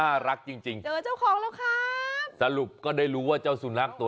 นี่บ้านผมเร็วตามมา